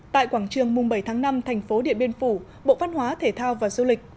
tại quảng trường mùng bảy tháng năm thành phố điện biên phủ bộ văn hóa thể thao và du lịch